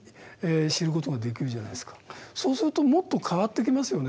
そうするともっと変わってきますよね。